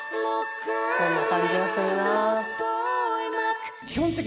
そんな感じはするな。